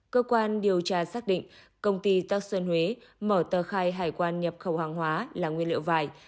cơ quan điều tra xác định công ty tắc sơn huế mở tờ khai hải quan nhập khẩu hàng hóa là nguyên liệu vài